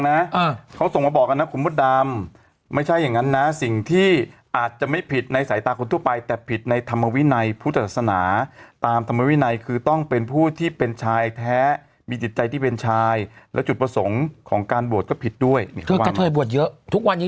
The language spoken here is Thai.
นางหวดแล้วน่ะนี่ไงนางบวชแล้วไงเถอะ